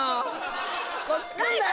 こっち来んなよ！